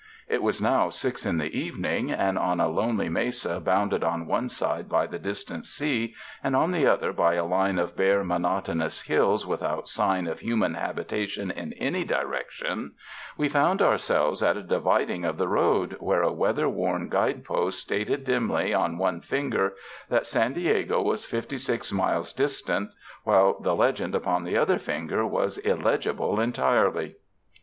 It was now six in the evening, and on a lonely mesa bounded on one side by the distant sea and on the other by a line of bare, monotonous hills without sign of human habitation in any direction, we found ourselves at a dividing of the road, where a weather worn guide post stated dimly on one finger that San Diego was fifty six miles distant, while the legend upon the other finger was illegible entirely.